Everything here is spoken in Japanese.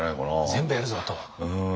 全部やるぞと。